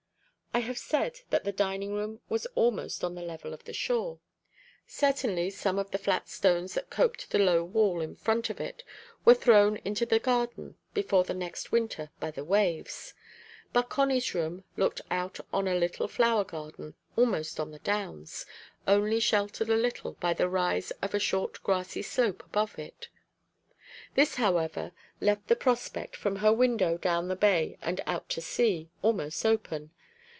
I have said that the dining room was almost on the level of the shore. Certainly some of the flat stones that coped the low wall in front of it were thrown into the garden before the next winter by the waves. But Connie's room looked out on a little flower garden almost on the downs, only sheltered a little by the rise of a short grassy slope above it. This, however, left the prospect, from her window down the bay and out to sea, almost open.